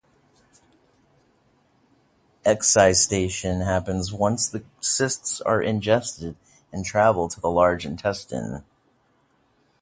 Excystation happens once the cysts are ingested, and travel to the large intestine.